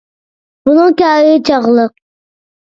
بۇنىڭ كارى چاغلىق.